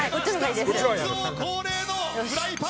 『スポーツ王』恒例のフライパン！